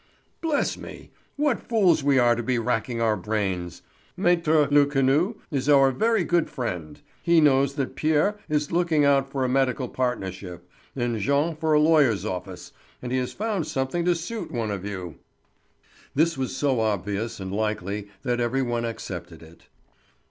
"Bless me! what fools we are to be racking our brains. Maître Lecanu is our very good friend; he knows that Pierre is looking out for a medical partnership and Jean for a lawyer's office, and he has found something to suit one of you." This was so obvious and likely that every one accepted it.